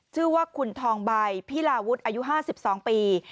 ชื่อว่าคุณทองใบพิลาวุฒิอายุ๕๒ปี